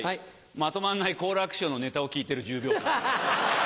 まとまんない好楽師匠のネタを聞いてる１０秒間。